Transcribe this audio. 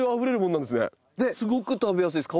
すごく食べやすいです。